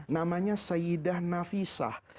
namanya sayyidah nafisah